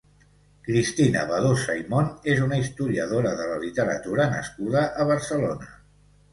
Cristina Badosa i Mont és una historiadora de la literatura nascuda a Barcelona.